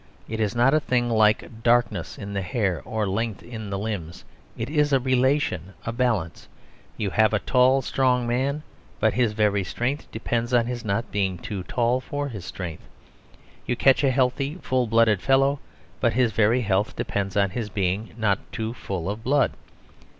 It is not a thing like darkness in the hair or length in the limbs. It is a relation, a balance. You have a tall, strong man; but his very strength depends on his not being too tall for his strength. You catch a healthy, full blooded fellow; but his very health depends on his being not too full of blood.